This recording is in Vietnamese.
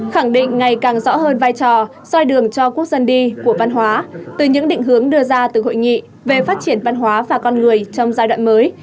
khẳng định ngày càng rõ hơn vai trò soi đường cho quốc dân đi của văn hóa từ những định hướng đưa ra từ hội nghị về phát triển văn hóa và con người trong giai đoạn mới